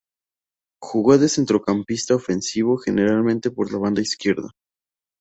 Jugó de centrocampista ofensivo, generalmente por la banda izquierda.